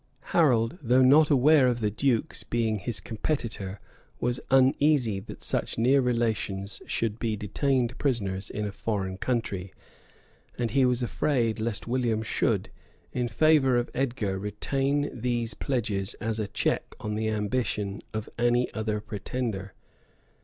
Harold, though not aware of the duke's being his competitor, was uneasy that such near relations should be detained prisoners in a foreign country; and he was afraid lest William should, in favor of Edgar, retain these pledges as a check on the ambition of any other pretender.